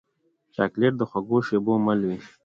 چاکلېټ د خوږو شېبو مل وي.